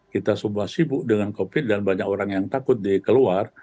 kita semua sibuk dengan covid dan banyak orang yang takut dikeluar